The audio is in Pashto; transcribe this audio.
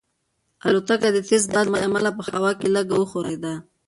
الوتکه د تېز باد له امله په هوا کې لږه وښورېده.